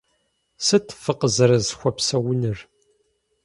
Сыт фыкъызэрысхуэупсэнур?